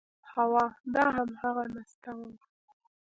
هو، دا همغه نستوه و…